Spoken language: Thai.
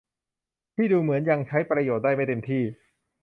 ที่ดูเหมือนยังใช้ประโยชน์ได้ไม่เต็มที่